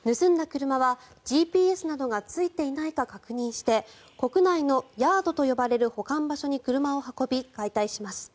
車はＧＰＳがついていないかを確認して国内のヤードと呼ばれる保管場所に車を運び解体します。